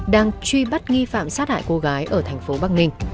đang truy bắt nghi phạm sát hại cô gái ở thành phố bắc ninh